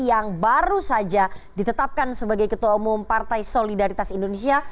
yang baru saja ditetapkan sebagai ketua umum partai solidaritas indonesia